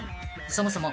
そもそも］